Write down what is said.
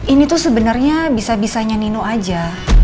ini tuh sebenarnya bisa bisanya nino aja